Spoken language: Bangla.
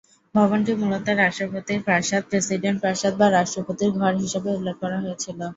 ভবনটি মূলত "রাষ্ট্রপতির প্রাসাদ", "প্রেসিডেন্ট প্রাসাদ", বা "রাষ্ট্রপতির ঘর" হিসাবে উল্লেখ করা হয়েছিল।